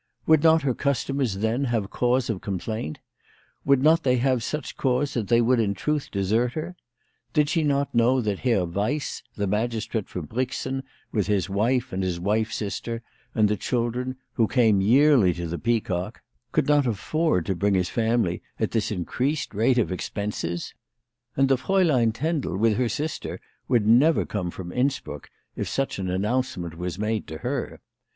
Would not her customers then have cause of complaint ? Would not they have such cause that they would in truth desert her ? Did she not know that Herr Weiss, the magistrate from Brixen, with his wife, and his wife's sister, and the children, who came yearly to the Peacock, could not afford to bring his family at this WHY FRAU FROHMAOT RAISED HER PRICES. 19 increased rate of expenses ? And the Fraulein Tendel with her sister would never come from Innsbruck if such an announcement was made to her.